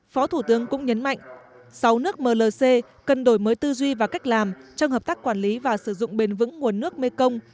phó thủ tướng cũng nhấn mạnh sáu nước mlc cần đổi mới tư duy và cách làm trong hợp tác quản lý và sử dụng bền vững nguồn nước mekong